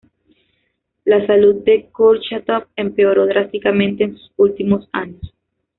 La salud de Kurchátov empeoró drásticamente en sus últimos años.